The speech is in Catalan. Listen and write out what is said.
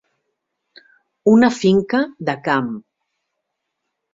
Una finca de camp.